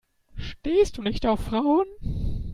Stehst du nicht auf Frauen?